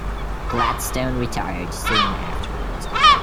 Gladstone retired soon afterwards.